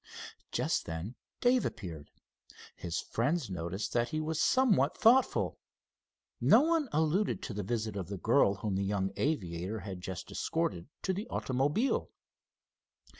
Just then Dave appeared. His friends noticed that he was somewhat thoughtful. No one alluded to the visit of the girl whom the young aviator had just escorted to the automobile.